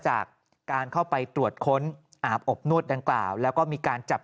จากการเข้าไปตรวจค้นอาบอบนวดดังกล่าวแล้วก็มีการจับ